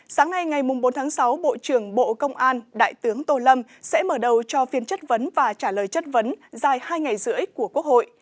sáng nay ngày bốn tháng sáu bộ trưởng bộ công an đại tướng tô lâm sẽ mở đầu cho phiên chất vấn và trả lời chất vấn dài hai ngày rưỡi của quốc hội